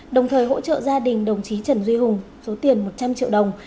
đồng thời hỗ trợ gia đình đồng chí trần duy hùng số tiền một trăm linh triệu đồng